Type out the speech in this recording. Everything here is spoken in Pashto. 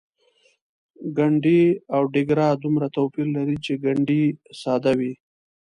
ګنډۍ او ډیګره دومره توپیر لري چې ګنډۍ ساده وي.